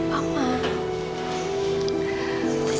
semua ini tidak adil